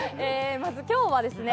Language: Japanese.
まず今日はですね